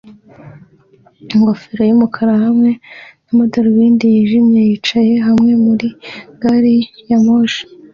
ingofero yumukara hamwe n amadarubindi yijimye yicaye hamwe muri gari ya moshi